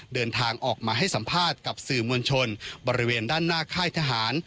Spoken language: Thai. เดินทางออกมาให้สัมภาษณ์กับสื่อมวลชนบริเวณด้านหน้าค่ายทหาร